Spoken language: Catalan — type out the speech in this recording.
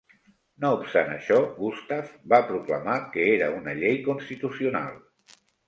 No obstant això, Gustav va proclamar que era una llei constitucional.